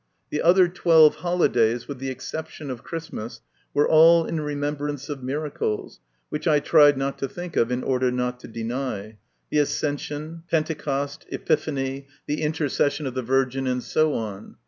The other twelve holidays, with the exception of Christmas, were all in remembrance of miracles, which I tried not to think of in order not to deny : the Ascension, Pentecost, Epiphany, the Intercession 128 MY CONFESSION. of the Virgin, and so on.